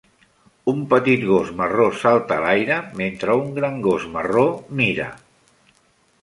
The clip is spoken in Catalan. Un petit gos marró salta a l'aire mentre un gran gos marró mira.